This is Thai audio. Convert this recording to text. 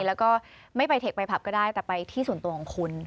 แล้วก็ไม่ไปเทคไปผับก็ได้แต่ไปที่ส่วนตัวของคุณ